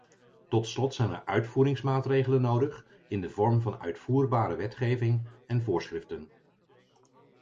Tot slot zijn er uitvoeringsmaatregelen nodig in de vorm van uitvoerbare wetgeving en voorschriften.